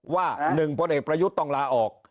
ว่า๑พลเอกประยุทธ์ต้องลาออก